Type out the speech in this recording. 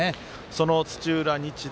その土浦日大